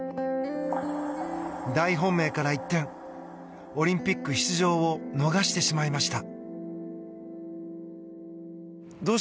大本命から一転オリンピック出場を逃してしまいました。